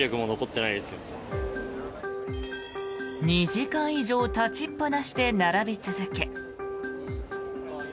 ２時間以上立ちっぱなしで並び続け。